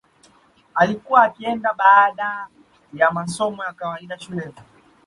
Alikuwa akienda baada ya masomo ya kawaida shuleni